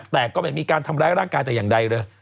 แต่ก็ไม่มีการทำร้ายร่างกายแต่อย่างใดเลย